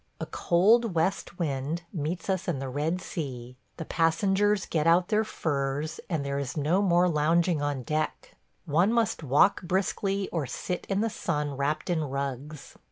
A cold west wind meets us in the Red Sea; the passengers get out their furs, and there is no more lounging on deck – one must walk briskly or sit in the sun wrapped in rugs.